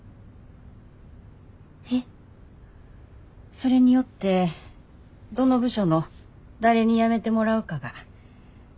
それによってどの部署の誰に辞めてもらうかが決まる。